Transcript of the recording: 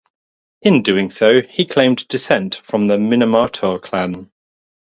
In so doing, he claimed descent from the Minamoto clan.